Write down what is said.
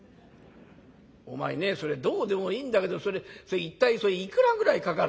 お前ねそれどうでもいいんだけど一体それいくらぐらいかかる？」。